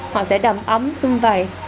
họ sẽ đầm ấm xung vầy